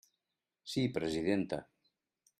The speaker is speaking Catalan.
Sí, presidenta.